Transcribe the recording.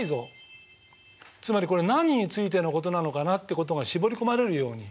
つまりこれ何についてのことなのかなってことが絞り込まれるように。